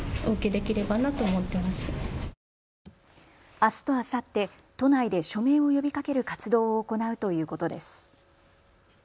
あすとあさって都内で署名を呼びかける活動を行うということです。